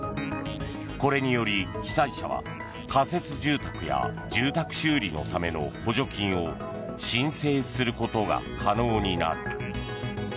これにより、被災者は仮設住宅や住宅修理のための補助金を申請することが可能になる。